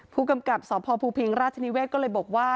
ผู้กำกับสพภูพิงราชนิเวศก็เลยบอกว่า